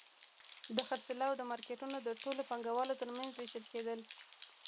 د خرڅلاو مارکېټونه د ټولو پانګوالو ترمنځ وېشل کېدل